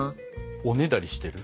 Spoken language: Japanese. おねだりしてる？